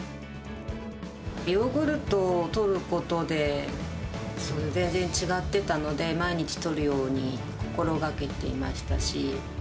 ヨーグルトをとることで、それで全然違ってたので、毎日とるように心がけていましたし。